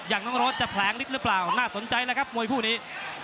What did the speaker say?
อย่างน้องรถจะแผลงฤทธิหรือเปล่าน่าสนใจแล้วครับมวยคู่นี้